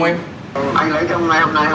anh lấy cho em hôm nay không ạ